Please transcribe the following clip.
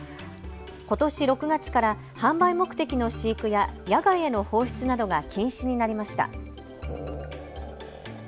ことし６月から販売目的の飼育や野外への放出などが禁止になりました。